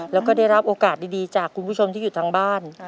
แล้วก็ได้รับโอกาสดีจากคุณผู้ชมที่อยู่ทางบ้าน